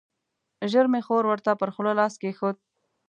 ژر مې خور ورته پر خوله لاس کېښود.